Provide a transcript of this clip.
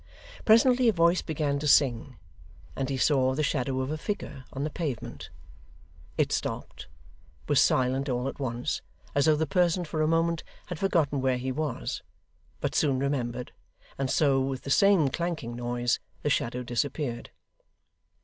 Presently a voice began to sing, and he saw the shadow of a figure on the pavement. It stopped was silent all at once, as though the person for a moment had forgotten where he was, but soon remembered and so, with the same clanking noise, the shadow disappeared.